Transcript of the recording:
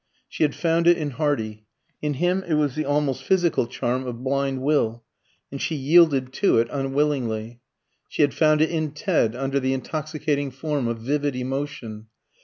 She had found it in Hardy. In him it was the almost physical charm of blind will, and she yielded to it unwillingly. She had found it in Ted under the intoxicating form of vivid emotion.